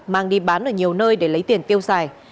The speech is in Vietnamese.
mang đi bán ở nhiều nơi để lấy tiền tiêu xài